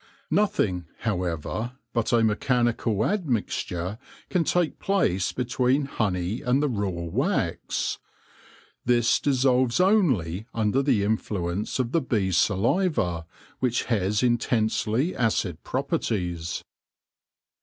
Nothing, however, but a mechanical admixture can take place between honey and the raw wax. This dissolves only under the influence of the bee's saliva, which has intensely acid properties.